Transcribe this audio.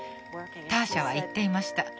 ターシャは言っていました。